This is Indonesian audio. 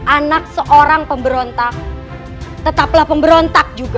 anak seorang pemberontak tetaplah pemberontak juga